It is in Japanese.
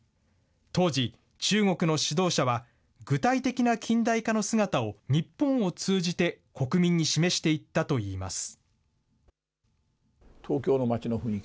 当時、中国の指導者は、具体的な近代化の姿を日本を通じて国民に示していったといいます。